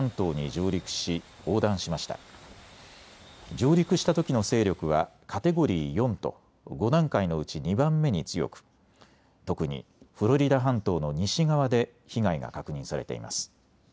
上陸したときの勢力はカテゴリー４と５段階のうち２番目に強く、特にフロリダ半島の西側で被害が確認されています。